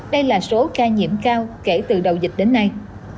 đây là số ca nhiễm cao kể từ đầu dịch đến nay